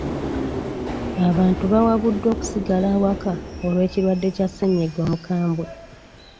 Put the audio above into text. Abantu bawabuddwa okusigala awaka olw'ekirwadde kya ssennyiga omukambwe.